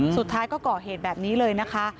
สุดท้ายก็ก่อเหตุแบบนี้เลยนะคะ